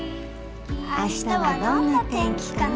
「明日はどんな天気かな」